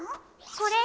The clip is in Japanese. これ！